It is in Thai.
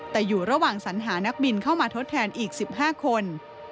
แต่อยู่ระหว่างสัญหานักบินเข้ามาทดแทนอีก๑๕คน